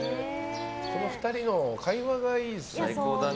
この２人の会話がいいですよね。